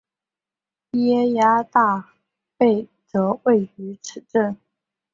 耶涯大坝则位在此镇。